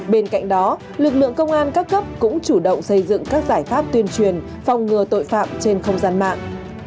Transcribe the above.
bên cạnh đó lực lượng công an các cấp cũng chủ động xây dựng các giải pháp tuyên truyền phòng ngừa tội phạm trên không gian mạng